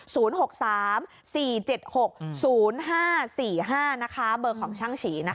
หกสามสี่เจ็ดหกศูนย์ห้าสี่ห้านะคะเบอร์ของช่างฉีนะคะ